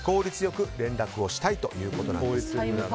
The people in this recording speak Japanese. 連絡をしたいということなんです。